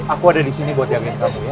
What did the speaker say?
aku ada di sini buat yangin kamu ya